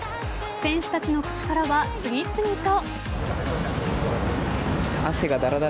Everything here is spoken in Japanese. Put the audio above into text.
選手たちの口からは次々と。